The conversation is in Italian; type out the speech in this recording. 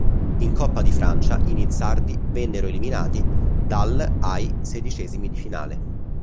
In Coppa di Francia i nizzardi vennero eliminati dal ai sedicesimi di finale.